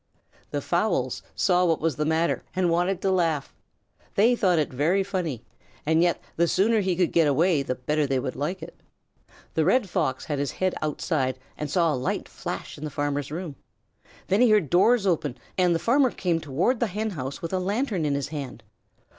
The fowls saw what was the matter, and wanted to laugh. They thought it very funny, and yet the sooner he could get away the better they would like it. The Red Fox had his head outside and saw a light flash in the farmer's room. Then he heard doors open, and the farmer came toward the Hen house with a lantern in his hand.